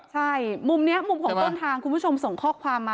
ใช่มุมนี้มุมของต้นทางคุณผู้ชมส่งข้อความมา